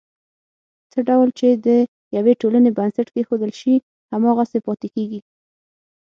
څه ډول چې د یوې ټولنې بنسټ کېښودل شي، هماغسې پاتې کېږي.